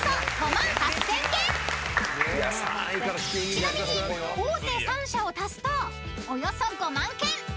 ［ちなみに大手３社を足すとおよそ５万軒］